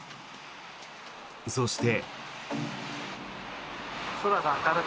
そして。